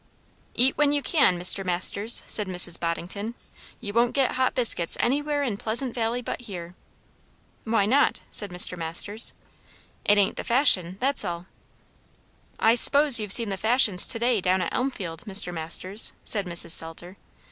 "Eat when you can, Mr. Masters," said Mrs. Boddington; "you won't get hot biscuits anywhere in Pleasant Valley but here." "Why not?" said Mr. Masters. "It ain't the fashion that's all." "I s'pose you've seen the fashions to day down at Elmfield, Mr. Masters," said Mrs. Salter.